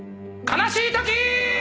悲しいとき！